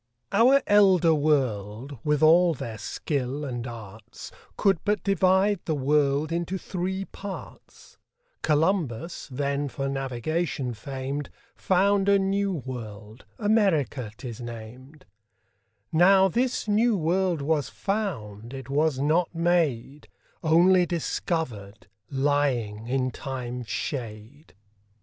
Our Elder World, with all their Skill and Arts, Could but divide the World into three Parts: Columbus, then for Navigation fam'd, Found a new World, America 'tis nam'd; Now this new World was found, it was not made, Onely discovered, lying in Time's shade.